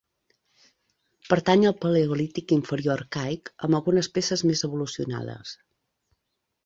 Pertany al Paleolític Inferior Arcaic, amb algunes peces més evolucionades.